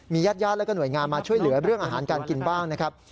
ญาติญาติและหน่วยงานมาช่วยเหลือเรื่องอาหารการกินบ้างนะครับ